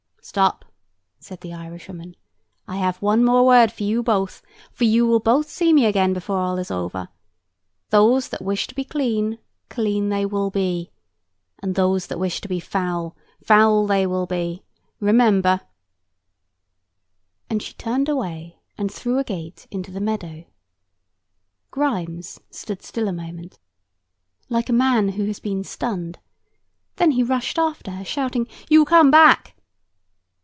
"Stop!" said the Irishwoman. "I have one more word for you both; for you will both see me again before all is over. Those that wish to be clean, clean they will be; and those that wish to be foul, foul they will be. Remember." [Picture: Griffin status with shield saying "Salvtem"] And she turned away, and through a gate into the meadow. Grimes stood still a moment, like a man who had been stunned. Then he rushed after her, shouting, "You come back."